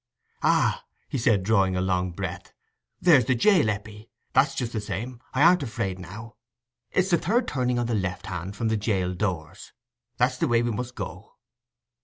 "Ah," he said, drawing a long breath, "there's the jail, Eppie; that's just the same: I aren't afraid now. It's the third turning on the left hand from the jail doors—that's the way we must go."